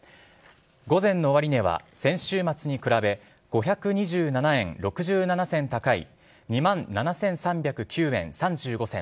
午前の終値は先週末に比べ５２７円６７銭高い、２万７３０９円３５銭。